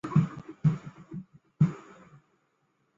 韦斯克莱。